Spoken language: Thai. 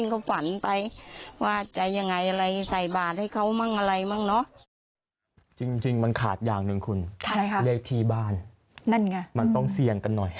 มันต้องเสี่ยงกันหน่อย